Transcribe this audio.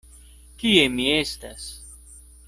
Kie mi estas?